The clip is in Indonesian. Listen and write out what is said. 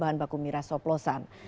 bahan baku miras hoplosan